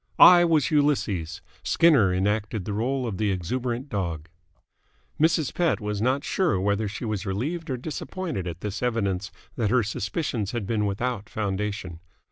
I was Ulysses, Skinner enacted the role of the exuberant dog." Mrs. Pett was not sure whether she was relieved or disappointed at this evidence that her suspicions had been without foundation.